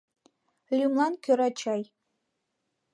Лӱмлан кӧра чай.